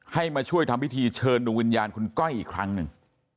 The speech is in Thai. มาช่วยทำพิธีเชิญดูวิญญาณคุณก้อยอีกครั้งหนึ่ง